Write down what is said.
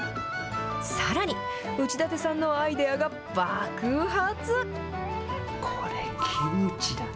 さらに、内館さんのアイデアが爆発。